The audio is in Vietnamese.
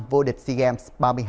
vô địch sea games ba mươi hai